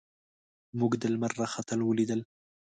موږ د لمر راختل ولیدل.